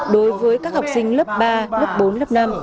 đối với các học sinh lớp ba lớp bốn lớp năm